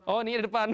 oh ini di depan